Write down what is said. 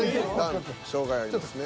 障害ありますね。